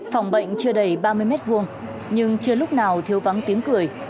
phòng bệnh chưa đầy ba mươi m hai nhưng chưa lúc nào thiếu vắng tiếng cười